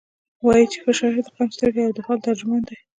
وایي چې ښه شاعر د قوم سترګې او د حال ترجمان دی.